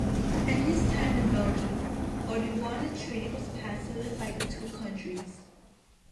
In his time in Belgium, only one treaty was passed by the two countries.